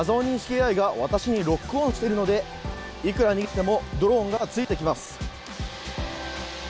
ＡＩが私にロックオンしてるのでいくら逃げてもドローンが付いてきます。